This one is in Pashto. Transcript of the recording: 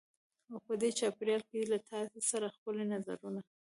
او په دې چاپېریال کې له تاسې سره خپل نظرونه